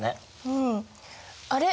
うん。あれ？